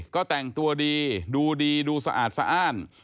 ก็แต่งตัวดีดูดีดูสะอาดสะอ้าน